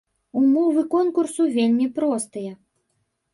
Умовы конкурсу вельмі простыя.